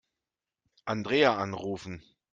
Andrea anrufen.